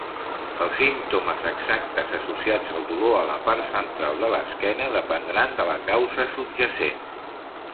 Els símptomes exactes associats el dolor a la part central de l'esquena dependran de la causa subjacent.